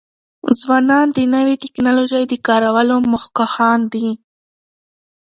ځوانان د نوی ټکنالوژی د کارولو مخکښان دي.